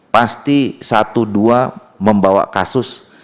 pasti satu dua membawa kasus